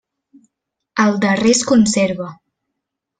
El darrer es conserva.